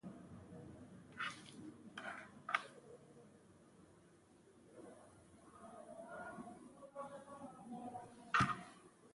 د قریشو کاروان روان شو.